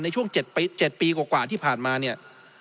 ในช่วง๗ปีกว่าที่ผ่านมาเนี่ย